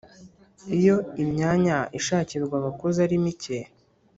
iyo imyanya ishakirwa abakozi ari mike